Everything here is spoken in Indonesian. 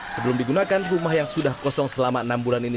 sebelum digunakan rumah yang sudah kosong selama enam bulan ini